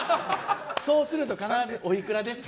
そうすると必ずおいくらですか？